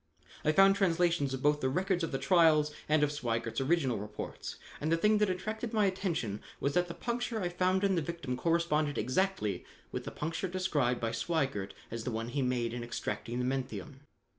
"I found translations of both the records of the trials and of Sweigert's original reports, and the thing that attracted my attention was that the puncture I found in the victim corresponded exactly with the puncture described by Sweigert as the one he made in extracting the menthium.